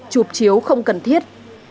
chụp chiếu không cần thiết